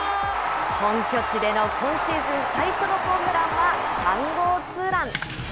本拠地での今シーズン最初のホームランは３号ツーラン。